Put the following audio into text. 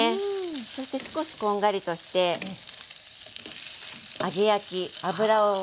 そして少しこんがりとして揚げ焼き油を。